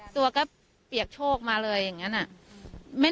ตัวป้าหนิบเหนือก็หนู